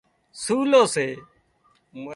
سُولو سي